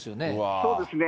そうですね。